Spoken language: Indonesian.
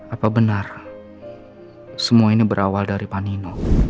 apa benar semua ini berawal dari panino